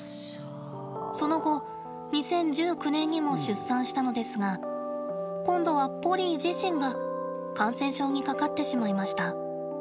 その後２０１９年にも出産したのですが今度はポリー自身が感染症にかかってしまいました。